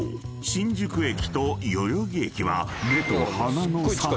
新宿駅と代々木駅は目と鼻の先］